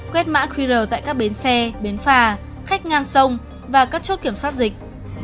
quét mã qr tại các bến xe bến phà khách ngang sông và các chốt kiểm soát dịch